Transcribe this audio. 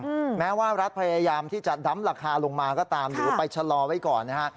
อืมแม้ว่ารัฐพยายามที่จะดำราคาลงมาก็ตามหรือไปชะลอไว้ก่อนนะฮะ